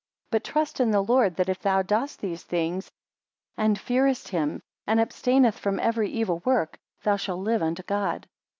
6 But trust in the Lord, that if thou dost these things, any fearest him, and abstaineth from every evil work, thou shall live unto God.